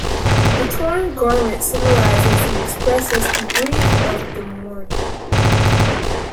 The torn garment symbolizes and expresses the grief of the mourner.